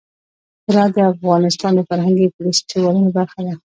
زراعت د افغانستان د فرهنګي فستیوالونو برخه ده.